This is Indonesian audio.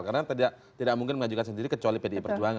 karena tidak mungkin mengajukan sendiri kecuali pdi perjuangan